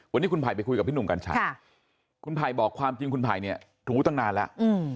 วันนี้คุณภัยไปคุยกับพี่หนุ่มกันฉันคุณภัยบอกความจริงคุณภัยถูกรู้ตั้งนานแล้ว